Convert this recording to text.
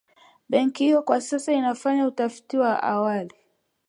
Benki hiyo kwa sasa inafanya utafiti wa awali